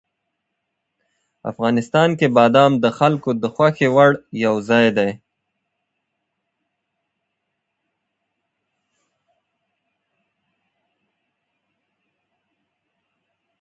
افغانستان کې بادام د خلکو د خوښې وړ یو ځای دی.